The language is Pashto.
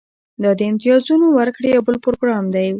دا د امتیازونو ورکړې یو بل پروګرام و